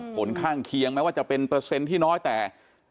ผลข้างเคียงแม้ว่าจะเป็นเปอร์เซ็นต์ที่น้อยแต่